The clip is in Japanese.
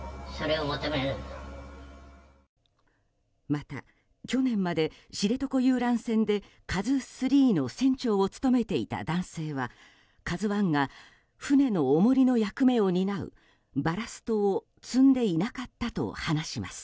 また去年まで知床遊覧船で「ＫＡＺＵ３」の船長を務めていた男性は「ＫＡＺＵ１」が船の重りの役目を担うバラストを積んでいなかったと話します。